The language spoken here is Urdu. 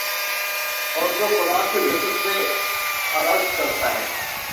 اور جو خدا کے ذکر سے اعراض کر لیتا ہے